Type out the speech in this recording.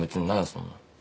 そんなの。